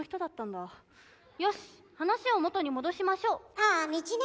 ああ道ね！